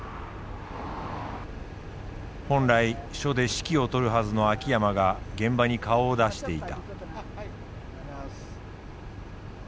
本来署で指揮をとるはずの秋山が現場に顔を出していた。